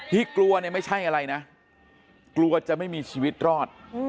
กลัวเนี่ยไม่ใช่อะไรนะกลัวจะไม่มีชีวิตรอด